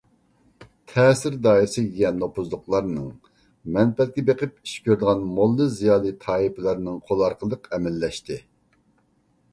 تەسىر دائىرىسىگە ئىگە نوپۇزلۇقلارنىڭ، مەنپەئەتكە بېقىپ ئىش كۆرىدىغان موللا - زىيالىي تائىپىلەرنىڭ قولى ئارقىلىق ئەمەلىيلەشتى.